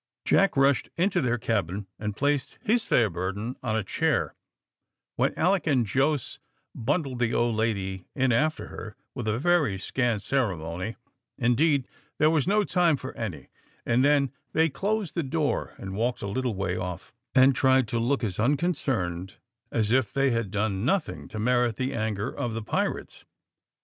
Jack rushed into their cabin, and placed his fair burden on a chair, when Alick and Jos bundled the old lady in after her, with a very scant ceremony; indeed there was no time for any; and then they closed the door and walked a little way off, and tried to look as unconcerned as if they had done nothing to merit the anger of the pirates.